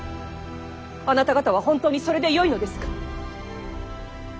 あなた方は本当にそれでよいのですか。